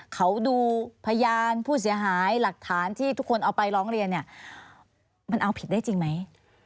เขาดูพยานผู้เสียหายหลักฐานที่ทุกคนเอาไปร้องเรียนเนี่ยมันเอาผิดได้จริงไหม